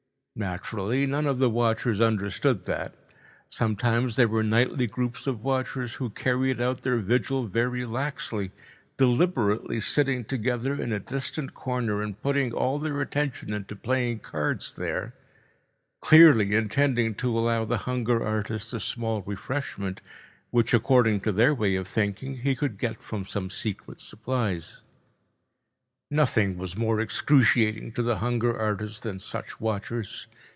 Naturally, none of the watchers understood that. Sometimes there were nightly groups of watchers who carried out their vigil very laxly, deliberately sitting together in a distant corner and putting all their attention into playing cards there, clearly intending to allow the hunger artist a small refreshment, which, according to their way of thinking, he could get from some secret supplies. Nothing was more excruciating to the hunger artist than such watchers.